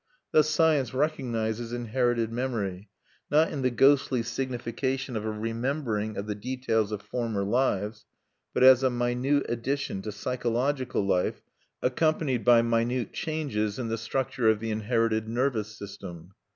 Thus science recognizes inherited memory: not in the ghostly signification of a remembering of the details of former lives, but as a minute addition to psychological life accompanied by minute changes in the structure of the inherited nervous system.